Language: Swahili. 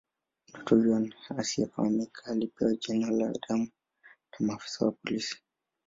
Mtoto huyu asiyefahamika alipewa jina la "Adam" na maafisa wa polisi.